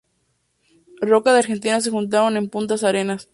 Roca de Argentina se juntaron en Punta Arenas.